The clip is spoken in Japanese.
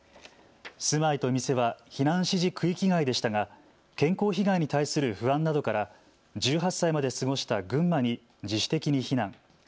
住まいと店は避難指示区域外でしたが健康被害に対する不安などから１８歳まで過ごした群馬に自主的に避難。